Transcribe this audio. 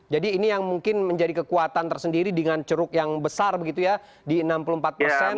jadi ini yang mungkin menjadi kekuatan tersendiri dengan ceruk yang besar begitu ya di enam puluh empat persen